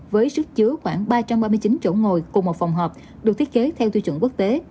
với sức chứa khoảng ba trăm ba mươi chín chỗ ngồi cùng một phòng họp được thiết kế theo tiêu chuẩn quốc tế